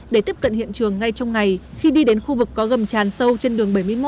để tiếp cận hiện trường ngay trong ngày khi đi đến khu vực có gầm tràn sâu trên đường bảy mươi một